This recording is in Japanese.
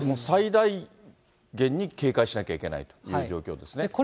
最大限に警戒しなきゃいけないという状況ですね。